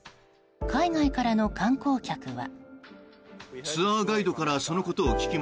海外からの観光客は。